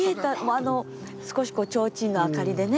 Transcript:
あの少しちょうちんの明かりでね。